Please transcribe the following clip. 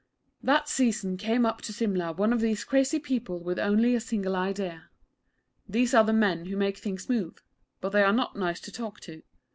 That season came up to Simla one of these crazy people with only a single idea. These are the men who make things move; but they are not nice to talk to.